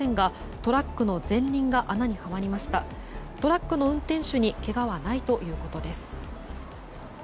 トラックの運転手にけがはないということです。